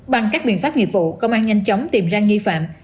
bằng các biện pháp nghiệp vụ công an nhanh chóng tìm ra nghi phạm